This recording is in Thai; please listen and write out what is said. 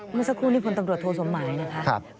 เมื่อสักครู่นี้พลตำรวจโทสมหมายนะคะ